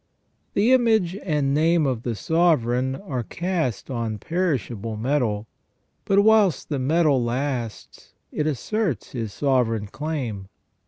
The image and name of the sovereign are cast on perishable metal, but whilst the metal lasts it asserts his sovereign claim.